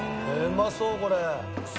うまそうこれ。